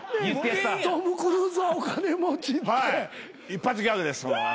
一発ギャグです。